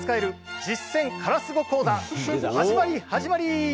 始まり始まり。